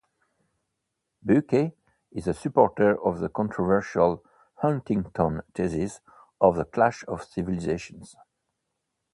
Bukay is a supporter of the controversial Huntington thesis of the Clash of Civilisations.